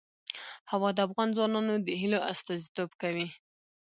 هوا د افغان ځوانانو د هیلو استازیتوب کوي.